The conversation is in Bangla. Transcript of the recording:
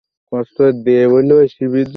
আমি দোতলায় যাব, না।